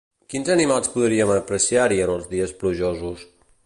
Quins animals podríem apreciar-hi en els dies plujosos?